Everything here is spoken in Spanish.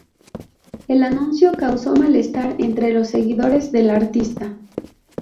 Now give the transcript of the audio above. El anuncio causó malestar entre los seguidores del artista.